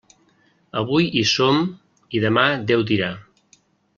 Avui hi som i demà Déu dirà.